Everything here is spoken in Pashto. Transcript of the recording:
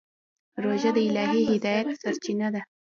روژه د الهي هدایت سرچینه ده.